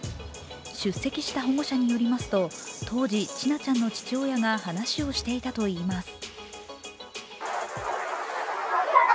出席した保護者によりますと当時、千奈ちゃんの父親が話をしていたといいます。